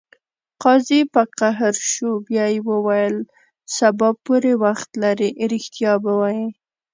قاضي په قهر شو بیا یې وویل: سبا پورې وخت لرې ریښتیا به وایې.